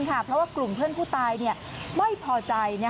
เพราะว่ากลุ่มเพื่อนผู้ตายไม่พอใจ